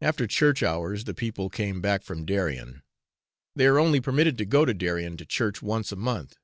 After church hours the people came back from Darien. They are only permitted to go to Darien to church once a month.